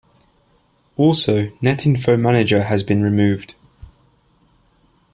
Also, Netinfo Manager has been removed.